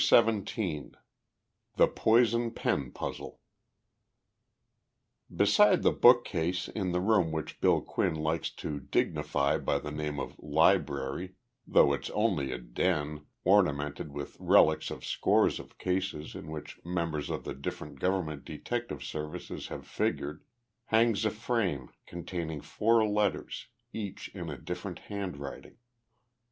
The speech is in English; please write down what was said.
XVII THE POISON PEN PUZZLE Beside the bookcase in the room which Bill Quinn likes to dignify by the name of "library" though it's only a den, ornamented with relics of scores of cases in which members of the different government detective services have figured hangs a frame containing four letters, each in a different handwriting.